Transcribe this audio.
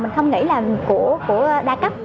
mình không nghĩ là của đa cấp